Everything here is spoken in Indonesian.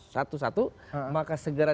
satu satu maka segera